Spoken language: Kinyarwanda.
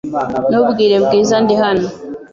Ntubwire Bwiza ndi hano .